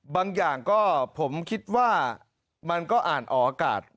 บางอย่างก็ผมคิดว่ามันก็อ่านออกอากาศ